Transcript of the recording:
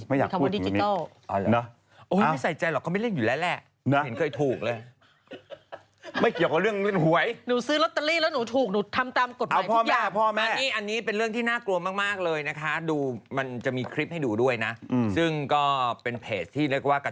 ไม่อยากพูดอย่างนี้นะโอ้ยไม่ใส่ใจหรอกเขาไม่เล่นอยู่แล้วแหละเห็นเคยถูกเลยนะ